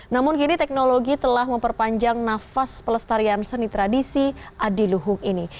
namun kini teknologi telah memperpanjang nafas pelestarian seni tradisi adi luhung ini